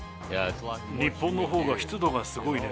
日本のほうが湿度がすごいね。